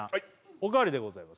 おかわりでございます